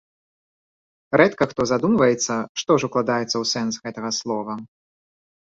Рэдка хто задумваецца, што ж укладаецца ў сэнс гэтага слова.